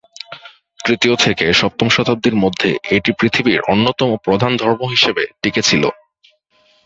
তৃতীয় থেকে সপ্তম শতাব্দীর মধ্যে এটি পৃথিবীর অন্যতম প্রধান ধর্ম হিসেবে টিকে ছিলো।